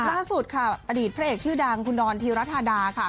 ล่าสุดค่ะอดีตพระเอกชื่อดังคุณดอนธีรธาดาค่ะ